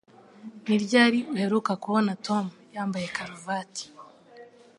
Ni ryari uheruka kubona Tom yambaye karuvati?